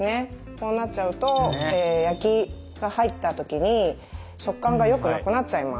こうなっちゃうと焼きが入った時に食感がよくなくなっちゃいます。